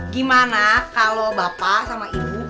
gimana kalau bapak sama ibu